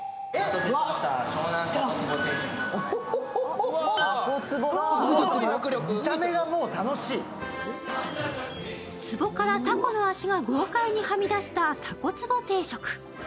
出てきたのはつぼからたこの足が豪快にはみ出したたこつぼ定食。